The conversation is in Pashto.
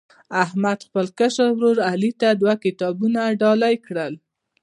احمد خپل کشر ورر علي ته دوه کتابونه ډالۍ کړل.